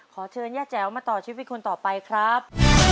ขอเชิญย่าแจ๋วมาต่อชีวิตคนต่อไปครับ